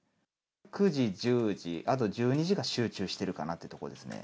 ９時、１０時、あと１２時が集中してるかなっていうところですね。